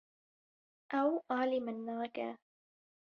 Ew alî min nake.